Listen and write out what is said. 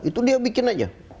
itu dia bikin aja